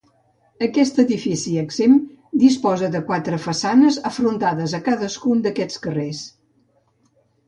Aquest edifici exempt disposa de quatre façanes afrontades a cadascun d'aquests carrers.